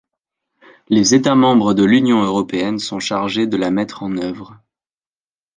Les États membres de l'Union Européenne sont chargés de la mettre en œuvre.